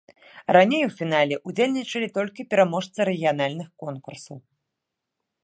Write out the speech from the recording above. Раней у фінале ўдзельнічалі толькі пераможцы рэгіянальных конкурсаў.